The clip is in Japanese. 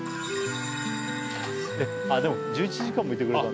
えっあぁでも１１時間もいてくれた。